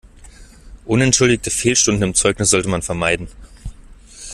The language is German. Unentschuldigte Fehlstunden im Zeugnis sollte man vermeiden.